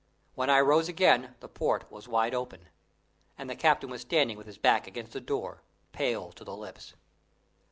When I rose again the port was wide open, and the captain was standing with his back against the door, pale to the lips.